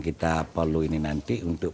kita perlu ini nanti untuk